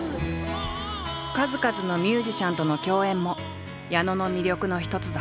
数々のミュージシャンとの共演も矢野の魅力の一つだ。